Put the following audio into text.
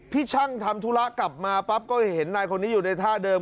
พี่ช่างทำธุระกลับมาปั๊บก็เห็นนายคนนี้อยู่ในท่าเดิม